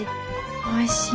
おいしい。